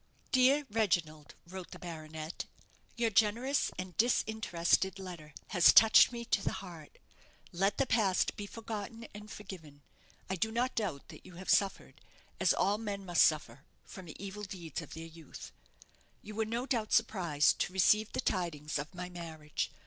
"Dear Reginald," wrote the baronet, "_your generous and disinterested letter has touched me to the heart. Let the past be forgotten and forgiven. I do not doubt that you have suffered, as all men must suffer, from the evil deeds of their youth_. "_You were no doubt surprised to receive the tidings of my marriage.